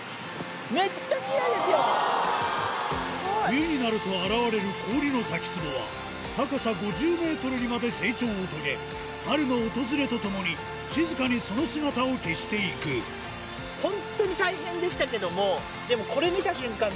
冬になると現れる氷の滝壺は高さ５０ｍにまで成長を遂げ春の訪れとともに静かにその姿を消していくでも。